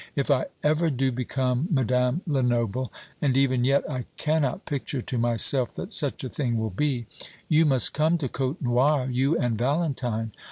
If I ever do become Madame Lenoble and even yet I cannot picture to myself that such a thing will be you must come to Côtenoir, you and Valentine.